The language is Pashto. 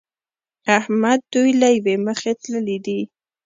احمد دوی له يوې مخې تللي دي.